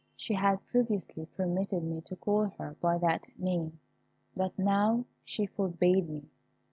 She had previously permitted me to call her by that name, but now she forbade me.